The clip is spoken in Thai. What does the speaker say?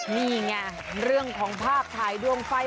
นี่ไงเรื่องของภาพถ่ายดวงไฟ